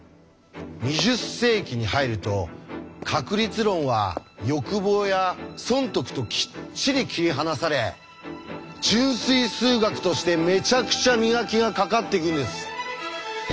２０世紀に入ると確率論は欲望や損得ときっちり切り離され純粋数学としてめちゃくちゃ磨きがかかっていくんです！